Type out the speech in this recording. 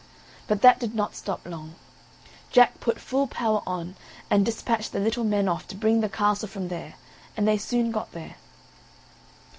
But that did not stop long. Jack put full power on and despatched the little men off to bring the castle from there, and they soon got there.